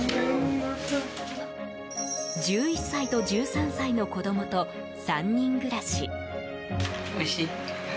１１歳と１３歳の子供と３人暮らし。